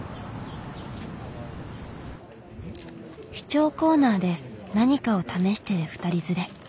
試聴コーナーで何かを試してる２人連れ。